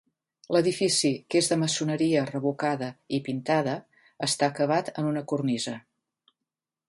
L'edifici, que és de maçoneria revocada i pintada, està acabat en una cornisa.